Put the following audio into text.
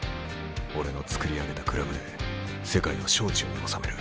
俺の作り上げたクラブで世界を掌中に収める。